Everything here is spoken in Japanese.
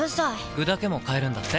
具だけも買えるんだって。